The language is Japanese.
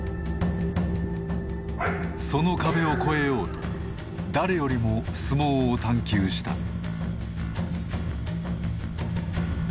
その壁を越えようと誰よりも相撲を探究した。